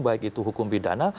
baik itu hukum pidana